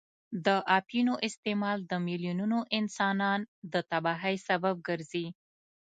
د اپینو استعمال د میلیونونو انسانان د تباهۍ سبب ګرځي.